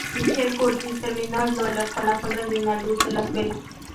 Michael Curtiz terminó el duelo con la sombra de una luz de las velas.